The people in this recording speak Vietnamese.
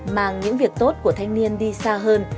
mang những việc tốt của thanh niên đi xa hơn